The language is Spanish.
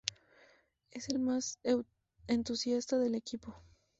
Es el más entusiasta del equipo.